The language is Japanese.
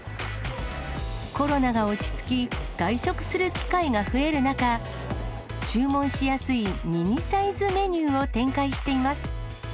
コロナが落ち着き、外食する機会が増える中、注文しやすいミニサイズメニューを展開しています。